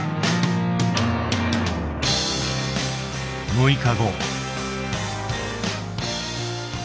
６日後。